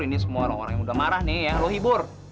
ini semua orang orang yang udah marah nih ya lo hibur